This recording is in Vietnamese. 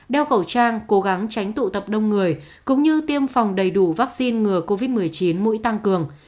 đeo khẩu trang cố gắng tránh tụ tập đông người cũng như tiêm phòng đầy đủ vaccine ngừa covid một mươi chín mũi tăng cường